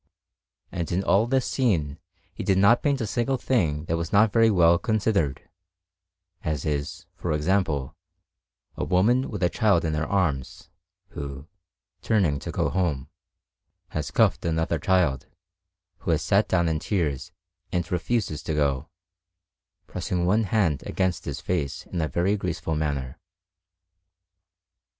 And in all this scene he did not paint a single thing that was not very well considered; as is, for example, a woman with a child in her arms, who, turning to go home, has cuffed another child, who has sat down in tears and refuses to go, pressing one hand against his face in a very graceful manner.